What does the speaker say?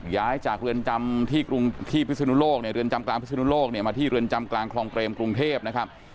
ย้ายจากเรือนจำที่พิศนุโลกเนี่ยเรือนจำกลางพิศนุโลกเนี่ยมาที่เรือนจำกลางคลองเตรมกรุงเทพนะครับ